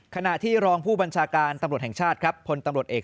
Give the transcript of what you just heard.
ขณะที่รองผู้บัญชาการธรรมดแห่งชาติพลตำรวจเอก